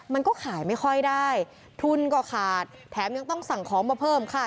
มันก็ขายไม่ค่อยได้ทุนก็ขาดแถมยังต้องสั่งของมาเพิ่มค่ะ